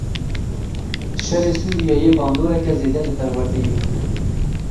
Şerê Sûriyeyê bandoreke zêde li perwerdeyê kiriye.